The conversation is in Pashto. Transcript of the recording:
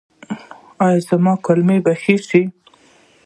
ایا زما کولمې به ښې شي؟